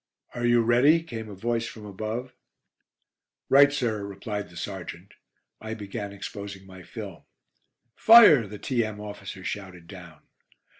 "Are you ready?" came a voice from above. "Right, sir," replied the sergeant. I began exposing my film. "Fire!" the T.M. officer shouted down.